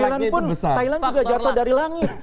tapi thailand pun thailand juga jatuh dari langit